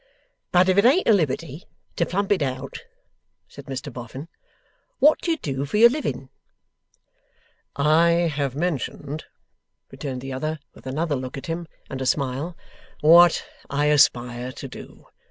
'But if it ain't a liberty to plump it out,' said Mr Boffin, 'what do you do for your living?' 'I have mentioned,' returned the other, with another look at him, and a smile, 'what I aspire to do.